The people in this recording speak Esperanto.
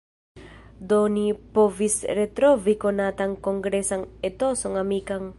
Do ni povis retrovi konatan kongresan etoson amikan.